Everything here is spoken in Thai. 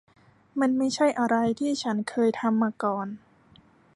มันไม่ใช่อะไรที่ฉันเคยทำมาก่อน